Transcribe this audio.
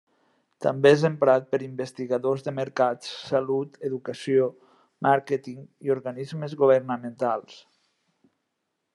També és emprat per investigadors de mercats, salut, educació, màrqueting i organismes governamentals.